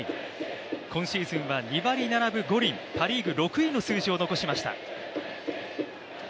今シーズンは２割７分５厘、パ・リーグ６位の数字を残しました。